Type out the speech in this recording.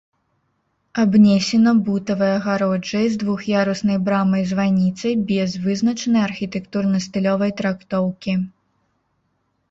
Абнесена бутавай агароджай з двух'яруснай брамай-званіцай без вызначанай архітэктурна-стылёвай трактоўкі.